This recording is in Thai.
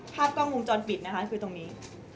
ภาพกล้องวงจรปิดนะคะคือตรงนี้